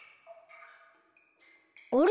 あれ？